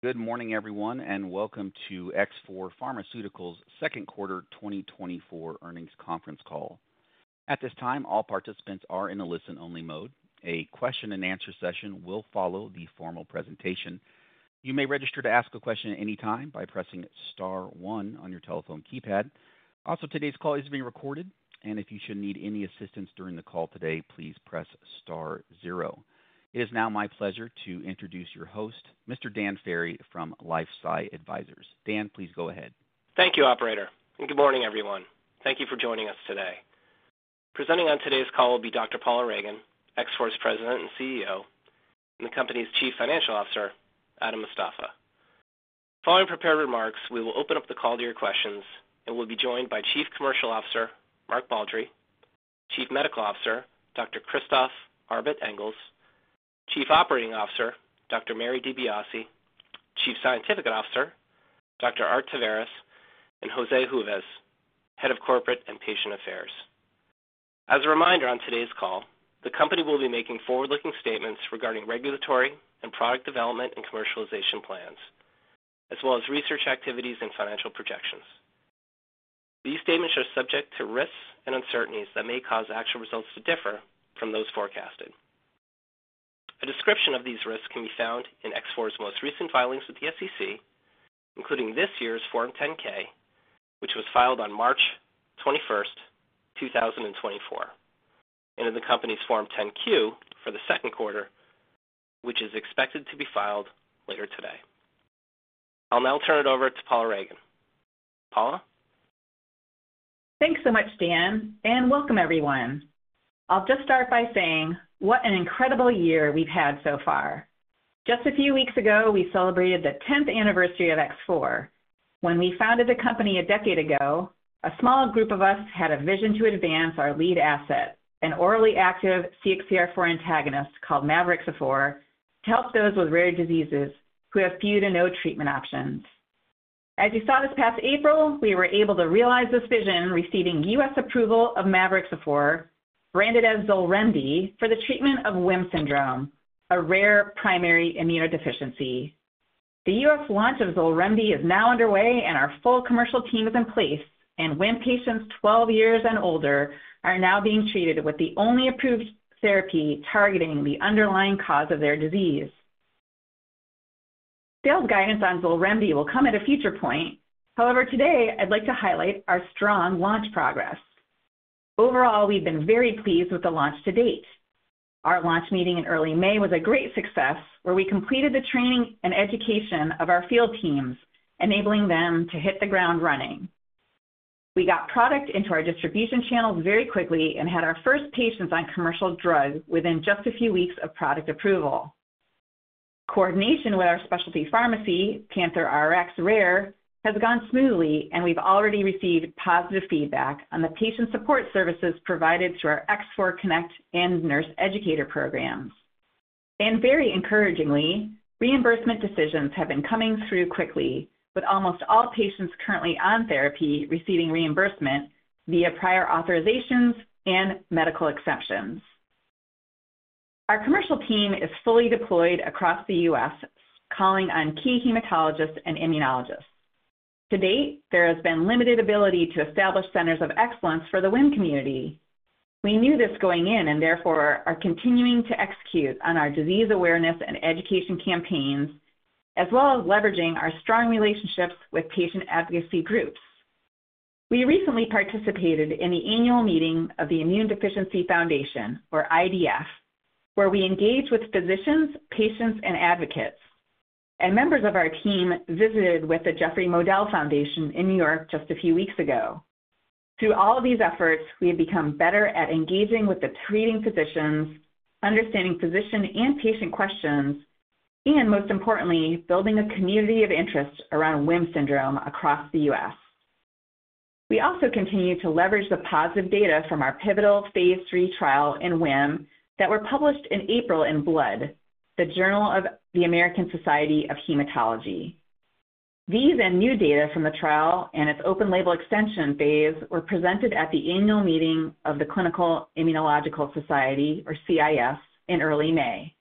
Good morning, everyone, and welcome to X4 Pharmaceuticals' second quarter 2024 earnings conference call. At this time, all participants are in a listen-only mode. A question and answer session will follow the formal presentation. You may register to ask a question at any time by pressing star one on your telephone keypad. Also, today's call is being recorded, and if you should need any assistance during the call today, please press star zero. It is now my pleasure to introduce your host, Mr. Dan Ferry from LifeSci Advisors. Dan, please go ahead. Thank you, operator, and good morning, everyone. Thank you for joining us today. Presenting on today's call will be Dr. Paula Ragan, X4's President and CEO, and the company's Chief Financial Officer, Adam Mostafa. Following prepared remarks, we will open up the call to your questions and we'll be joined by Chief Commercial Officer, Mark Baldry, Chief Medical Officer, Dr. Christophe Arbet-Engels, Chief Operating Officer, Dr. Mary DiBiase, Chief Scientific Officer, Dr. Art Taveras, and Jose Juves, Head of Corporate and Patient Affairs. As a reminder, on today's call, the company will be making forward-looking statements regarding regulatory and product development and commercialization plans, as well as research activities and financial projections. These statements are subject to risks and uncertainties that may cause actual results to differ from those forecasted. A description of these risks can be found in X4's most recent filings with the SEC, including this year's Form 10-K, which was filed on March 21, 2024, and in the company's Form 10-Q for the second quarter, which is expected to be filed later today. I'll now turn it over to Paula Ragan. Paula? Thanks so much, Dan, and welcome everyone. I'll just start by saying, what an incredible year we've had so far. Just a few weeks ago, we celebrated the tenth anniversary of X4. When we founded the company a decade ago, a small group of us had a vision to advance our lead asset, an orally active CXCR4 antagonist called mavorixafor, to help those with rare diseases who have few to no treatment options. As you saw this past April, we were able to realize this vision, receiving US approval of mavorixafor, branded as XOLREMDI, for the treatment of WHIM syndrome, a rare primary immunodeficiency. The US launch of XOLREMDI is now underway, and our full commercial team is in place, and WHIM patients twelve years and older are now being treated with the only approved therapy targeting the underlying cause of their disease. Sales guidance on XOLREMDI will come at a future point. However, today I'd like to highlight our strong launch progress. Overall, we've been very pleased with the launch to date. Our launch meeting in early May was a great success, where we completed the training and education of our field teams, enabling them to hit the ground running. We got product into our distribution channels very quickly and had our first patients on commercial drugs within just a few weeks of product approval. Coordination with our specialty pharmacy, PANTHERx Rare, has gone smoothly, and we've already received positive feedback on the patient support services provided through our X4 Connect and Nurse Educator programs. And very encouragingly, reimbursement decisions have been coming through quickly, with almost all patients currently on therapy receiving reimbursement via prior authorizations and medical exceptions. Our commercial team is fully deployed across the U.S., calling on key hematologists and immunologists. To date, there has been limited ability to establish centers of excellence for the WHIM community. We knew this going in and therefore are continuing to execute on our disease awareness and education campaigns, as well as leveraging our strong relationships with patient advocacy groups. We recently participated in the annual meeting of the Immune Deficiency Foundation, or IDF, where we engaged with physicians, patients, and advocates, and members of our team visited with the Jeffrey Modell Foundation in New York just a few weeks ago. Through all of these efforts, we have become better at engaging with the treating physicians, understanding physician and patient questions, and, most importantly, building a community of interest around WHIM syndrome across the U.S. We also continue to leverage the positive data from our pivotal phase 3 trial in WHIM that were published in April in Blood, The Journal of the American Society of Hematology. These and new data from the trial and its open label extension phase were presented at the annual meeting of the Clinical Immunological Society, or CIS, in early May.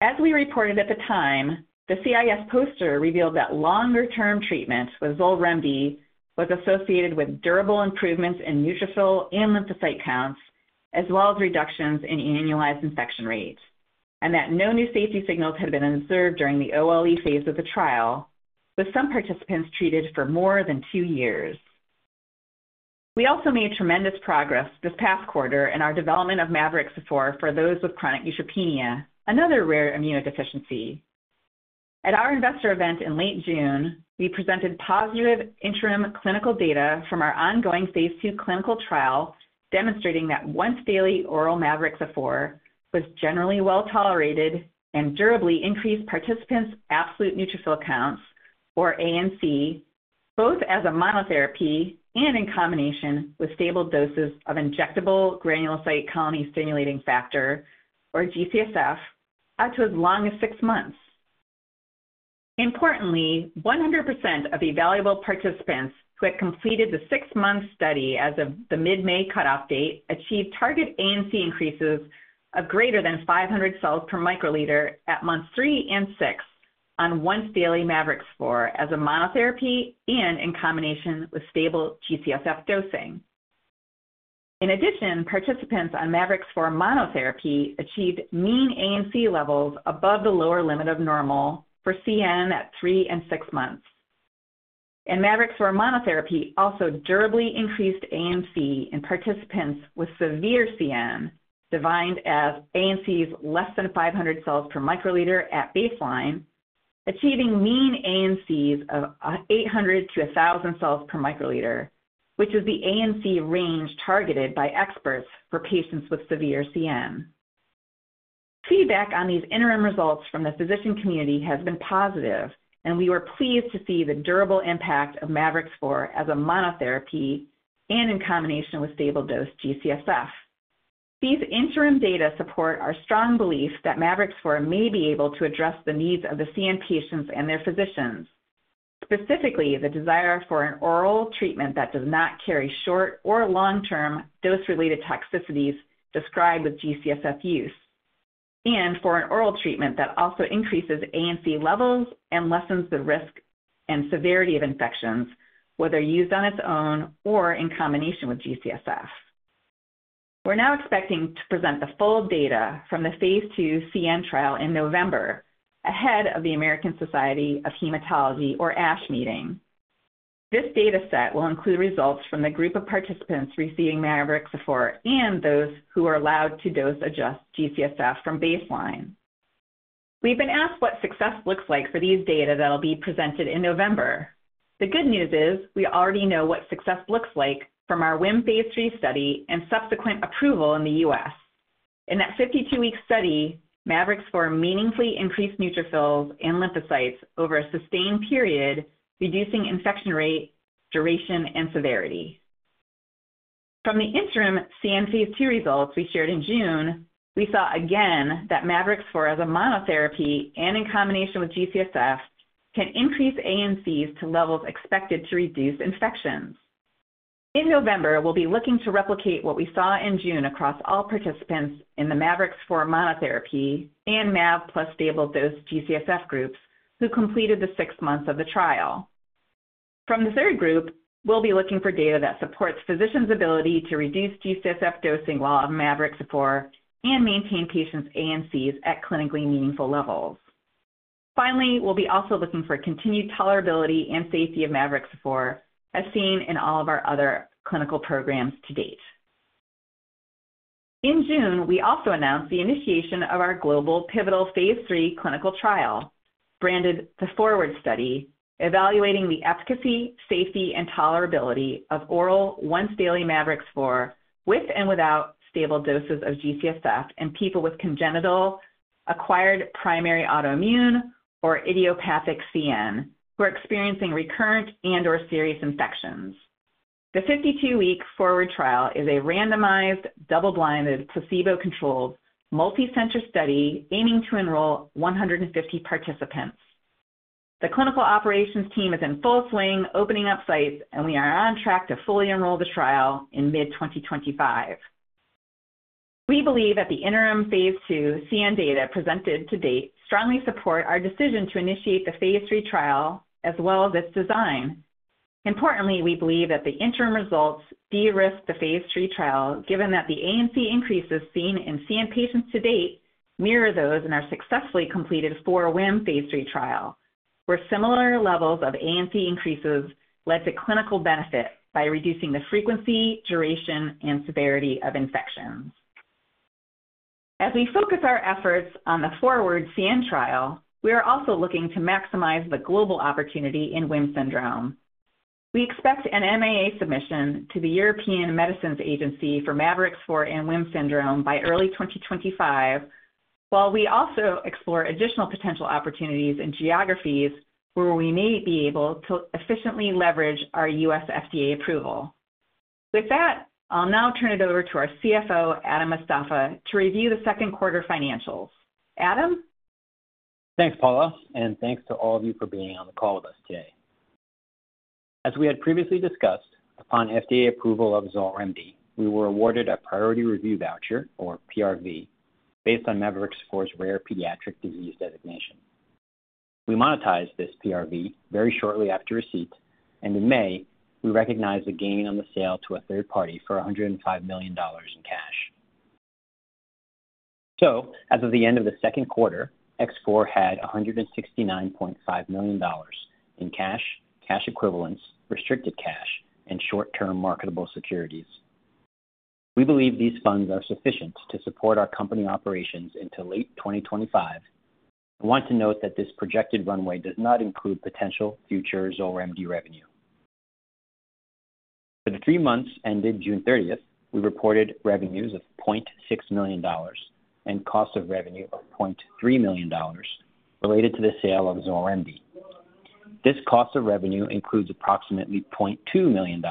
As we reported at the time, the CIS poster revealed that longer-term treatment with XOLREMDI was associated with durable improvements in neutrophil and lymphocyte counts, as well as reductions in annualized infection rates, and that no new safety signals had been observed during the OLE phase of the trial, with some participants treated for more than two years. We also made tremendous progress this past quarter in our development of mavorixafor for those with chronic neutropenia, another rare immunodeficiency. At our investor event in late June, we presented positive interim clinical data from our ongoing Phase 2 clinical trial, demonstrating that once-daily oral mavorixafor was generally well-tolerated and durably increased participants' absolute neutrophil counts, or ANC, both as a monotherapy and in combination with stable doses of injectable granulocyte colony-stimulating factor, or G-CSF, out to as long as 6 months. Importantly, 100% of evaluable participants who had completed the 6-month study as of the mid-May cutoff date achieved target ANC increases of greater than 500 cells per microliter at months 3 and 6.... on once daily mavorixafor as a monotherapy and in combination with stable G-CSF dosing. In addition, participants on mavorixafor monotherapy achieved mean ANC levels above the lower limit of normal for CN at 3 and 6 months. Mavorixafor monotherapy also durably increased ANC in participants with severe CN, defined as ANCs less than 500 cells per microliter at baseline, achieving mean ANCs of 800-1,000 cells per microliter, which is the ANC range targeted by experts for patients with severe CN. Feedback on these interim results from the physician community has been positive, and we were pleased to see the durable impact of mavorixafor as a monotherapy and in combination with stable dose G-CSF. These interim data support our strong belief that mavorixafor may be able to address the needs of the CN patients and their physicians. Specifically, the desire for an oral treatment that does not carry short or long-term dose-related toxicities described with G-CSF use, and for an oral treatment that also increases ANC levels and lessens the risk and severity of infections, whether used on its own or in combination with G-CSF. We're now expecting to present the full data from the phase 2 CN trial in November, ahead of the American Society of Hematology, or ASH meeting. This data set will include results from the group of participants receiving mavorixafor and those who are allowed to dose adjust G-CSF from baseline. We've been asked what success looks like for these data that'll be presented in November. The good news is, we already know what success looks like from our WHIM phase 3 study and subsequent approval in the U.S. In that 52-week study, mavorixafor meaningfully increased neutrophils and lymphocytes over a sustained period, reducing infection rate, duration, and severity. From the interim CN phase 2 results we shared in June, we saw again that mavorixafor as a monotherapy and in combination with G-CSF, can increase ANCs to levels expected to reduce infections. In November, we'll be looking to replicate what we saw in June across all participants in the mavorixafor monotherapy and MAV plus stable dose G-CSF groups, who completed the 6 months of the trial. From the third group, we'll be looking for data that supports physicians' ability to reduce G-CSF dosing while on mavorixafor and maintain patients' ANCs at clinically meaningful levels. Finally, we'll be also looking for continued tolerability and safety of mavorixafor, as seen in all of our other clinical programs to date. In June, we also announced the initiation of our global pivotal phase 3 clinical trial, branded the FORWARD study, evaluating the efficacy, safety, and tolerability of oral once-daily mavorixafor with and without stable doses of G-CSF in people with congenital, acquired primary autoimmune, or idiopathic CN, who are experiencing recurrent and/or serious infections. The 52-week FORWARD trial is a randomized, double-blind, placebo-controlled, multicenter study aiming to enroll 150 participants. The clinical operations team is in full swing, opening up sites, and we are on track to fully enroll the trial in mid-2025. We believe that the interim phase 2 CN data presented to date strongly support our decision to initiate the phase 3 trial, as well as its design. Importantly, we believe that the interim results de-risk the phase 3 trial, given that the ANC increases seen in CN patients to date mirror those and are successfully completed for a WHIM phase 3 trial, where similar levels of ANC increases led to clinical benefit by reducing the frequency, duration, and severity of infections. As we focus our efforts on the FORWARD CN trial, we are also looking to maximize the global opportunity in WHIM syndrome. We expect an MAA submission to the European Medicines Agency for mavorixafor and WHIM syndrome by early 2025, while we also explore additional potential opportunities in geographies where we may be able to efficiently leverage our U.S. FDA approval. With that, I'll now turn it over to our CFO, Adam Mostafa, to review the second quarter financials. Adam? Thanks, Paula, and thanks to all of you for being on the call with us today. As we had previously discussed, upon FDA approval of XOLREMDI, we were awarded a priority review voucher, or PRV, based on mavorixafor's rare pediatric disease designation. We monetized this PRV very shortly after receipt, and in May, we recognized a gain on the sale to a third party for $105 million in cash. So as of the end of the second quarter, X4 had $169.5 million in cash, cash equivalents, restricted cash, and short-term marketable securities. We believe these funds are sufficient to support our company operations into late 2025. I want to note that this projected runway does not include potential future XOLREMDI revenue. For the 3 months ended June 30, we reported revenues of $0.6 million and cost of revenue of $0.3 million related to the sale of XOLREMDI. This cost of revenue includes approximately $0.2 million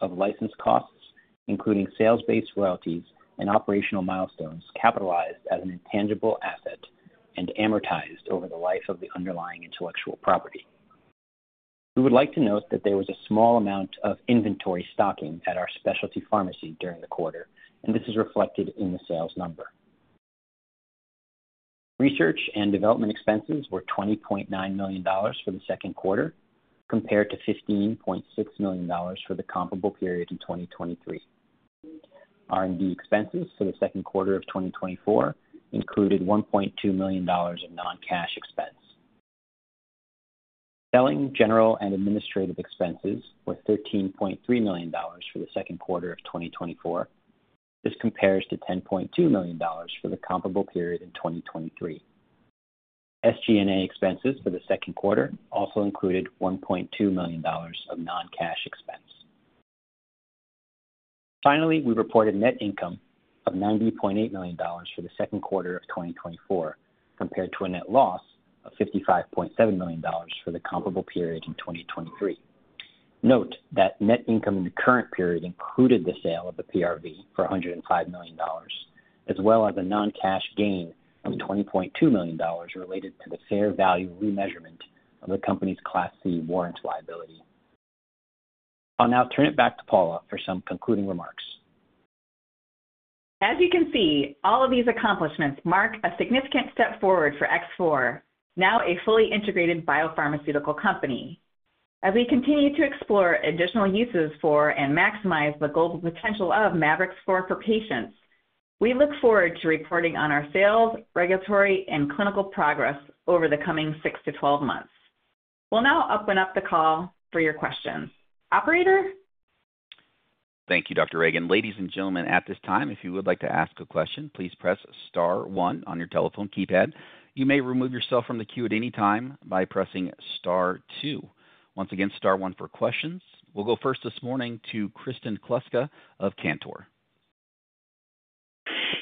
of licensed costs, including sales-based royalties and operational milestones capitalized as an intangible asset and amortized over the life of the underlying intellectual property. We would like to note that there was a small amount of inventory stocking at our specialty pharmacy during the quarter, and this is reflected in the sales number. Research and development expenses were $20.9 million for the second quarter, compared to $15.6 million for the comparable period in 2023. R&D expenses for the second quarter of 2024 included $1.2 million of non-cash expense. Selling general and administrative expenses were $13.3 million for the second quarter of 2024. This compares to $10.2 million for the comparable period in 2023. SG&A expenses for the second quarter also included $1.2 million of non-cash expense. Finally, we reported net income of $90.8 million for the second quarter of 2024, compared to a net loss of $55.7 million for the comparable period in 2023. Note that net income in the current period included the sale of the PRV for $105 million, as well as a non-cash gain of $20.2 million related to the fair value remeasurement of the company's Class C warrants liability. I'll now turn it back to Paula for some concluding remarks. As you can see, all of these accomplishments mark a significant step forward for X4, now a fully integrated biopharmaceutical company. As we continue to explore additional uses for and maximize the global potential of mavorixafor for patients, we look forward to reporting on our sales, regulatory, and clinical progress over the coming 6-12 months. We'll now open up the call for your questions. Operator? Thank you, Dr. Ragan. Ladies and gentlemen, at this time, if you would like to ask a question, please press star one on your telephone keypad. You may remove yourself from the queue at any time by pressing star two. Once again, star one for questions. We'll go first this morning to Kristen Kluska of Cantor.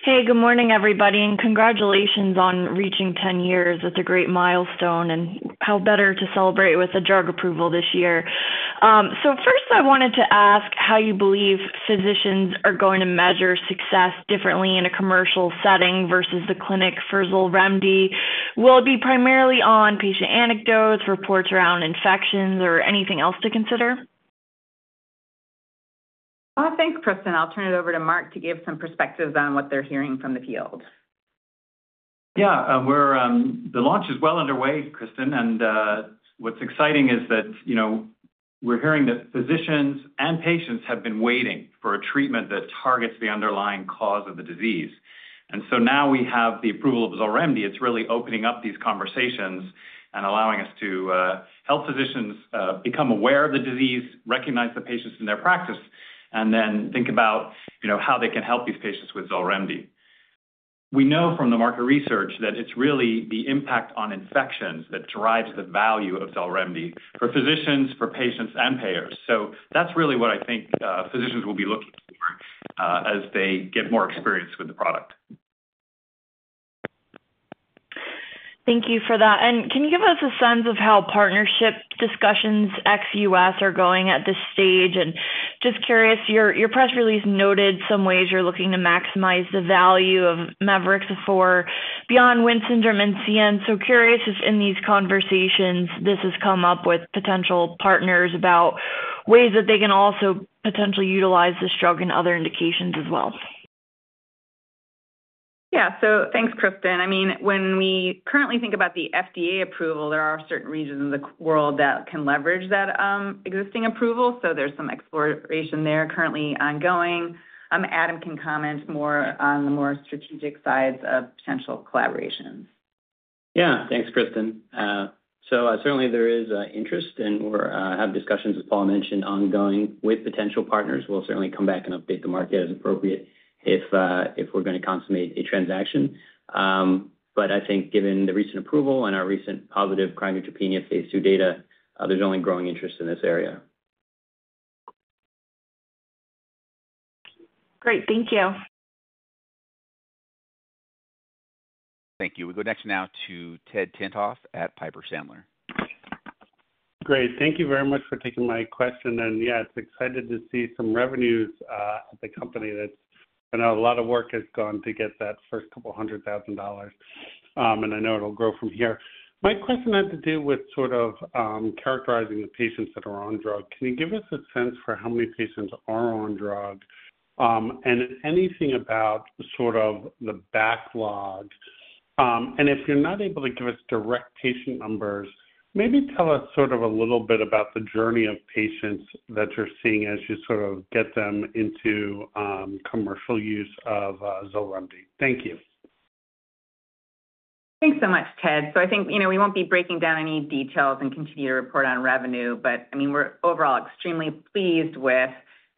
Hey, good morning, everybody, and congratulations on reaching 10 years. That's a great milestone, and how better to celebrate with a drug approval this year? So first I wanted to ask how you believe physicians are going to measure success differently in a commercial setting versus the clinic for XOLREMDI. Will it be primarily on patient anecdotes, reports around infections, or anything else to consider? Thanks, Kristen. I'll turn it over to Mark to give some perspective on what they're hearing from the field. Yeah, the launch is well underway, Kristen, and what's exciting is that, you know, we're hearing that physicians and patients have been waiting for a treatment that targets the underlying cause of the disease. And so now we have the approval of XOLREMDI. It's really opening up these conversations and allowing us to help physicians become aware of the disease, recognize the patients in their practice, and then think about, you know, how they can help these patients with XOLREMDI. We know from the market research that it's really the impact on infections that drives the value of XOLREMDI for physicians, for patients and payers. So that's really what I think physicians will be looking for as they get more experience with the product. Thank you for that. Can you give us a sense of how partnership discussions ex-U.S. are going at this stage? Just curious, your press release noted some ways you're looking to maximize the value of mavorixafor beyond WHIM syndrome CN. Curious if in these conversations, this has come up with potential partners about ways that they can also potentially utilize this drug in other indications as well. Yeah. So thanks, Kristen. I mean, when we currently think about the FDA approval, there are certain regions in the world that can leverage that existing approval. So there's some exploration there currently ongoing. Adam can comment more on the more strategic sides of potential collaborations. Yeah. Thanks, Kristen. So, certainly there is interest, and we're have discussions, as Paula mentioned, ongoing with potential partners. We'll certainly come back and update the market as appropriate if, if we're gonna consummate a transaction. But I think given the recent approval and our recent positive chronic neutropenia Phase 2 data, there's only growing interest in this area. Great. Thank you. Thank you. We go next now to Ted Tenthoff at Piper Sandler. Great. Thank you very much for taking my question. And yeah, it's exciting to see some revenues at the company. That's, I know a lot of work has gone to get that first couple hundred thousand dollars, and I know it'll grow from here. My question had to do with sort of characterizing the patients that are on drug. Can you give us a sense for how many patients are on drug, and anything about the sort of the backlog? And if you're not able to give us direct patient numbers, maybe tell us sort of a little bit about the journey of patients that you're seeing as you sort of get them into commercial use of XOLREMDI. Thank you. Thanks so much, Ted. So I think, you know, we won't be breaking down any details and continue to report on revenue, but, I mean, we're overall extremely pleased with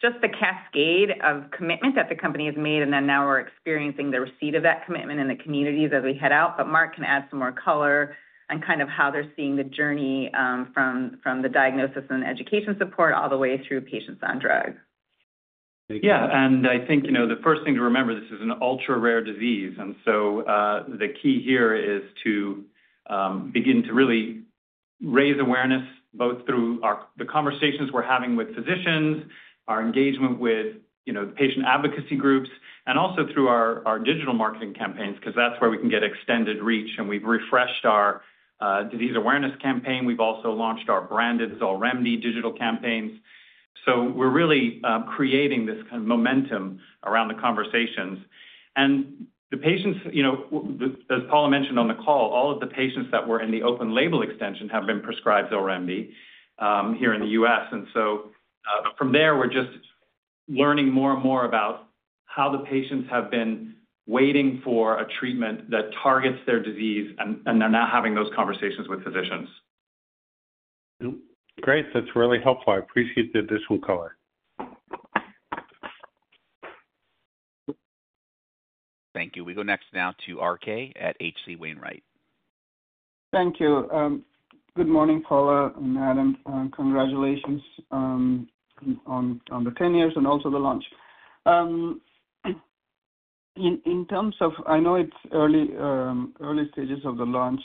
just the cascade of commitment that the company has made, and then now we're experiencing the receipt of that commitment in the communities as we head out. But Mark can add some more color on kind of how they're seeing the journey from the diagnosis and education support all the way through patients on drug. Yeah, and I think, you know, the first thing to remember, this is an ultra-rare disease, and so, the key here is to begin to really raise awareness, both through our-- the conversations we're having with physicians, our engagement with, you know, the patient advocacy groups, and also through our, our digital marketing campaigns, 'cause that's where we can get extended reach. And we've refreshed our, disease awareness campaign. We've also launched our branded XOLREMDI digital campaigns.... So we're really, creating this kind of momentum around the conversations. And the patients, you know, as Paula mentioned on the call, all of the patients that were in the open label extension have been prescribed XOLREMDI, here in the U.S. And so, from there, we're just learning more and more about how the patients have been waiting for a treatment that targets their disease, and they're now having those conversations with physicians. Great. That's really helpful. I appreciate the additional color. Thank you. We go next now to RK at H.C. Wainwright. Thank you. Good morning, Paula and Adam, and congratulations on the 10 years and also the launch. In terms of, I know it's early, early stages of the launch,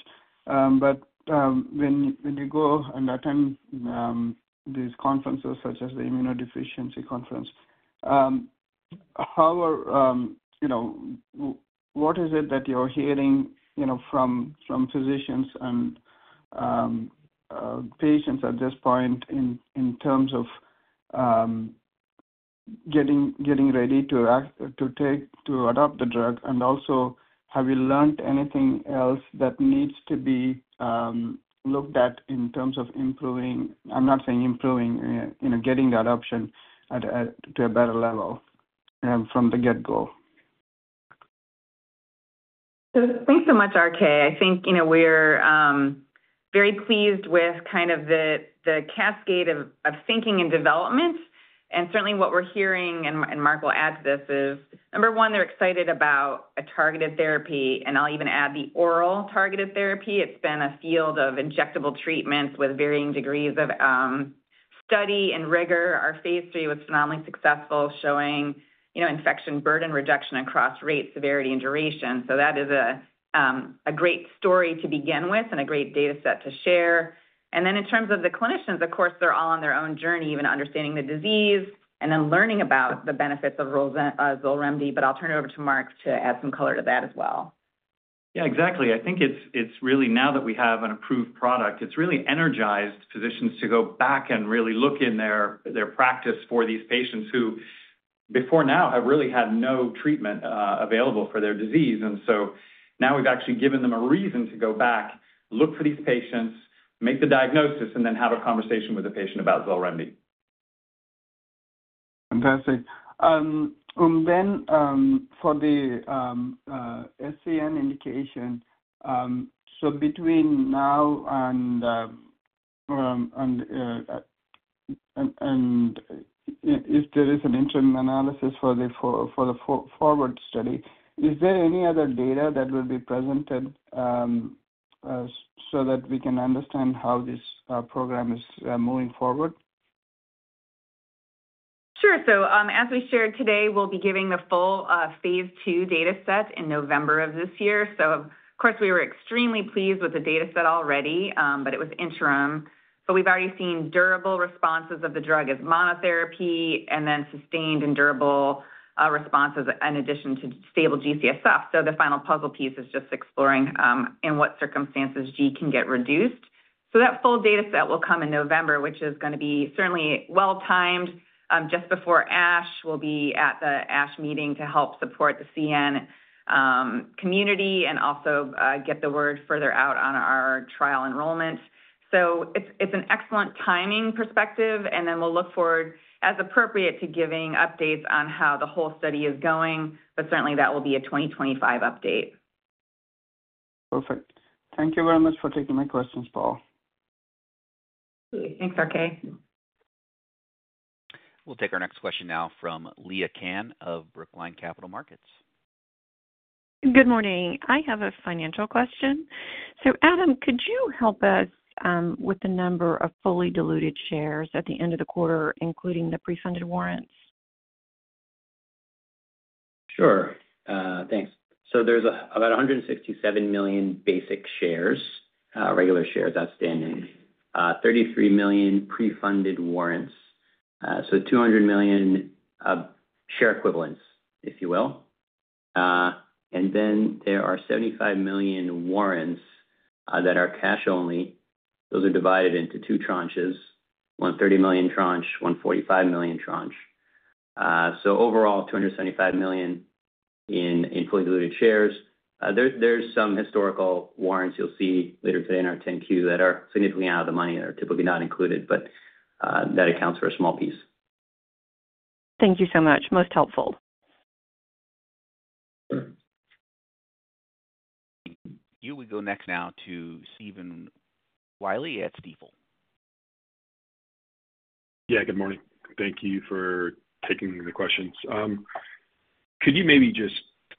but when you go and attend these conferences, such as the Immunodeficiency Conference, how are you know, what is it that you're hearing, you know, from physicians and patients at this point in terms of getting ready to act, to take, to adopt the drug? And also, have you learned anything else that needs to be looked at in terms of improving... I'm not saying improving, you know, getting the adoption at to a better level from the get-go? So thanks so much, RK. I think, you know, we're very pleased with kind of the cascade of thinking and development. And certainly what we're hearing, and Mark will add to this, is number one, they're excited about a targeted therapy, and I'll even add the oral targeted therapy. It's been a field of injectable treatments with varying degrees of study and rigor. Our phase 3 was phenomenally successful, showing, you know, infection burden reduction across rate, severity, and duration. So that is a great story to begin with and a great data set to share. And then in terms of the clinicians, of course, they're all on their own journey, even understanding the disease and then learning about the benefits of XOLREMDI. But I'll turn it over to Mark to add some color to that as well. Yeah, exactly. I think it's really now that we have an approved product, it's really energized physicians to go back and really look in their practice for these patients who, before now, have really had no treatment available for their disease. And so now we've actually given them a reason to go back, look for these patients, make the diagnosis, and then have a conversation with the patient about XOLREMDI. Fantastic. And then, for the SCN indication, so between now and if there is an interim analysis for the forward study, is there any other data that will be presented, so that we can understand how this program is moving forward? Sure. So, as we shared today, we'll be giving the full, Phase II data set in November of this year. So of course, we were extremely pleased with the data set already, but it was interim. So we've already seen durable responses of the drug as monotherapy and then sustained and durable, responses in addition to stable G-CSF. So the final puzzle piece is just exploring, in what circumstances G can get reduced. So that full data set will come in November, which is gonna be certainly well-timed, just before ASH. We'll be at the ASH meeting to help support the CN, community and also, get the word further out on our trial enrollments. So it's an excellent timing perspective, and then we'll look forward, as appropriate, to giving updates on how the whole study is going, but certainly, that will be a 2025 update. Perfect. Thank you very much for taking my questions, Paula. Thanks, RK. We'll take our next question now from Leah Cann of Brookline Capital Markets. Good morning. I have a financial question. So Adam, could you help us with the number of fully diluted shares at the end of the quarter, including the pre-funded warrants? Sure, thanks. So there's about $167 million basic shares, regular shares outstanding, $33 million pre-funded warrants, so $200 million share equivalents, if you will. And then there are $75 million warrants that are cash only. Those are divided into two tranches, one $30 million tranche, one $45 million tranche. So overall, $275 million in fully diluted shares. There's some historical warrants you'll see later today in our 10-Q that are significantly out of the money and are typically not included, but that accounts for a small piece. Thank you so much. Most helpful. You will go next now to Stephen Willey at Stifel. Yeah, good morning. Thank you for taking the questions. Could you maybe just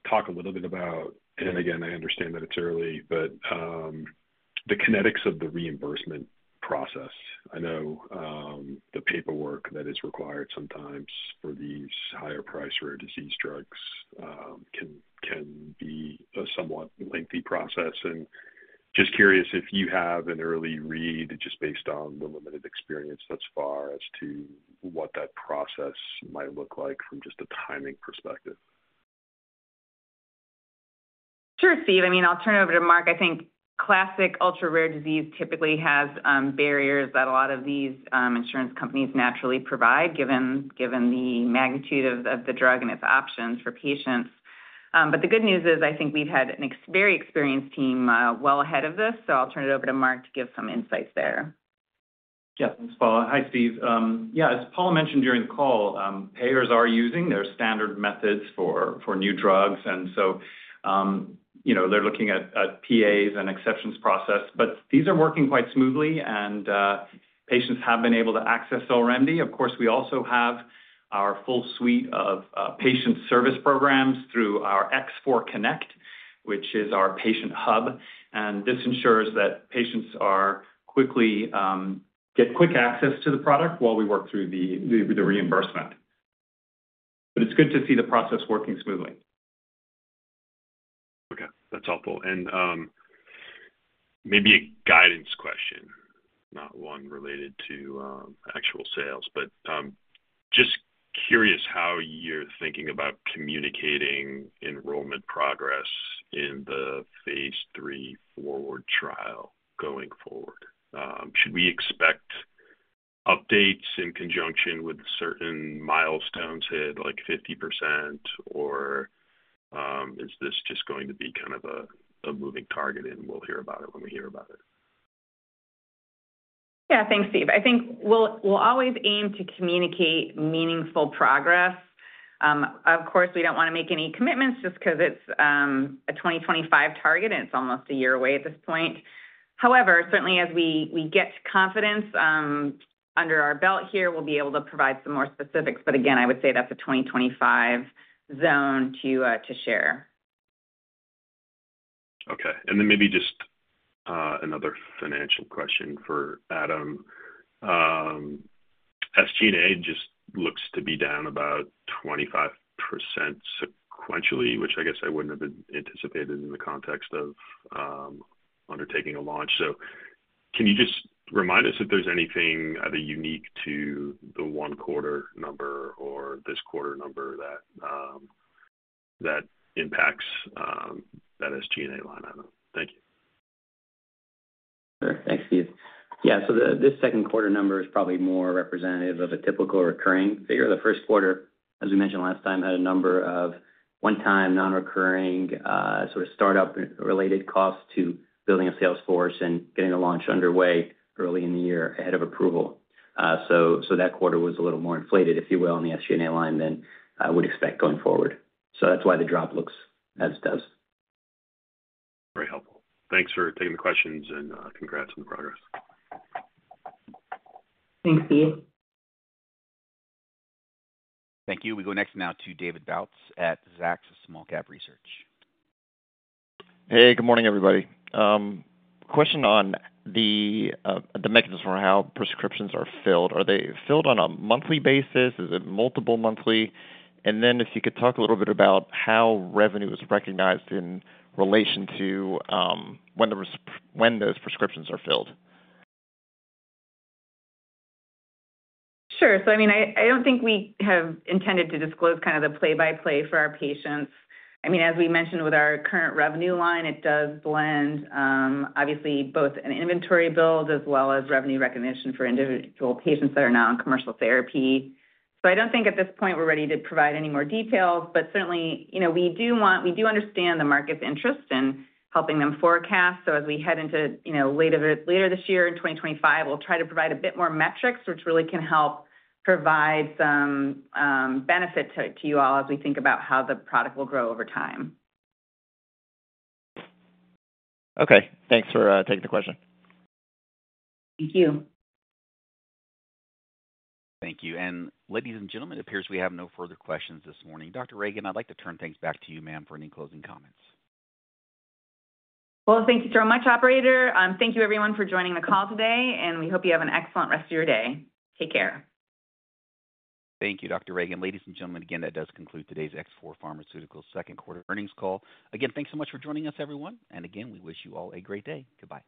talk a little bit about, and again, I understand that it's early, but, the kinetics of the reimbursement process. I know, the paperwork that is required sometimes for these higher price rare disease drugs, can, can be a somewhat lengthy process. Just curious if you have an early read, just based on the limited experience thus far, as to what that process might look like from just a timing perspective?... Sure, Stephen. I mean, I'll turn it over to Mark. I think classic ultra-rare disease typically has barriers that a lot of these insurance companies naturally provide, given the magnitude of the drug and its options for patients. But the good news is, I think we've had a very experienced team well ahead of this, so I'll turn it over to Mark to give some insights there. Yeah. Thanks, Paula. Hi, Steve. Yeah, as Paula mentioned during the call, payers are using their standard methods for new drugs, and so, you know, they're looking at PAs and exceptions process. But these are working quite smoothly, and patients have been able to access XOLREMDI. Of course, we also have our full suite of patient service programs through our X4 Connect, which is our patient hub, and this ensures that patients are quickly get quick access to the product while we work through the reimbursement. But it's good to see the process working smoothly. Okay, that's helpful. And, maybe a guidance question, not one related to, actual sales, but, just curious how you're thinking about communicating enrollment progress in the phase 3 FORWARD trial going forward. Should we expect updates in conjunction with certain milestones hit, like 50%? Or, is this just going to be kind of a moving target, and we'll hear about it when we hear about it? Yeah. Thanks, Steve. I think we'll, we'll always aim to communicate meaningful progress. Of course, we don't wanna make any commitments just 'cause it's a 2025 target, and it's almost a year away at this point. However, certainly as we get confidence under our belt here, we'll be able to provide some more specifics, but again, I would say that's a 2025 zone to share. Okay. And then maybe just another financial question for Adam. SG&A just looks to be down about 25% sequentially, which I guess I wouldn't have anticipated in the context of undertaking a launch. So can you just remind us if there's anything either unique to the one quarter number or this quarter number that impacts that SG&A line item? Thank you. Sure. Thanks, Steve. Yeah, so this second quarter number is probably more representative of a typical recurring figure. The first quarter, as we mentioned last time, had a number of one-time, non-recurring, sort of start-up related costs to building a sales force and getting the launch underway early in the year ahead of approval. So that quarter was a little more inflated, if you will, on the SG&A line than I would expect going forward. So that's why the drop looks as it does. Very helpful. Thanks for taking the questions, and, congrats on the progress. Thanks, Steve. Thank you. We go next now to David Bautz at Zacks Small Cap Research. Hey, good morning, everybody. Question on the mechanism for how prescriptions are filled. Are they filled on a monthly basis? Is it multiple monthly? And then if you could talk a little bit about how revenue is recognized in relation to when those prescriptions are filled. Sure. So I mean, I don't think we have intended to disclose kind of the play-by-play for our patients. I mean, as we mentioned with our current revenue line, it does blend, obviously, both an inventory build as well as revenue recognition for individual patients that are now on commercial therapy. So I don't think at this point we're ready to provide any more details, but certainly, you know, we do want, we do understand the market's interest in helping them forecast. So as we head into, you know, later this year, in 2025, we'll try to provide a bit more metrics, which really can help provide some benefit to you all as we think about how the product will grow over time. Okay, thanks for taking the question. Thank you. Thank you. Ladies and gentlemen, it appears we have no further questions this morning. Dr. Ragan, I'd like to turn things back to you, ma'am, for any closing comments. Well, thank you so much, operator. Thank you everyone for joining the call today, and we hope you have an excellent rest of your day. Take care. Thank you, Dr. Ragan. Ladies and gentlemen, again, that does conclude today's X4 Pharmaceuticals second quarter earnings call. Again, thanks so much for joining us, everyone, and again, we wish you all a great day. Goodbye.